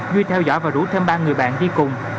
duy theo dõi và rủ thêm ba người bạn đi cùng